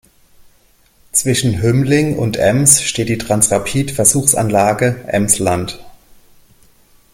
Zwischen Hümmling und Ems steht die Transrapid-Versuchsanlage Emsland.